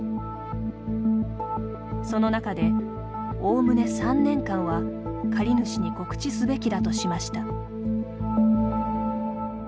その中で、おおむね３年間は借り主に告知すべきだとしました。